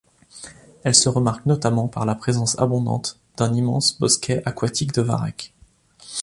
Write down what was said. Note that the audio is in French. Elle se remarque notamment par la présence abondante d'un immense bosquet aquatique de varech.